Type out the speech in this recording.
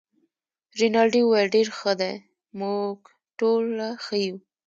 رینالډي وویل: ډیر ښه دي، موږ ټوله ښه یو.